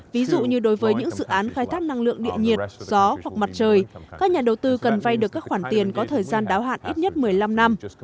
ví dụ như đối với những dự án khai thác năng lượng địa nhiệt gió hoặc mặt trời các nhà đầu tư cần vay được các khoản tiền có thời gian đáo hạn ít nhất một mươi năm năm